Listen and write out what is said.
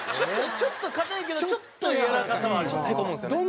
ちょっと硬いけどちょっとやわらかさはありますよね。